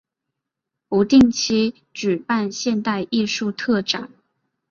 不定期举办现代艺术特展。